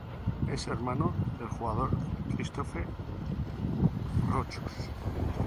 Es hermano del jugador Christophe Rochus.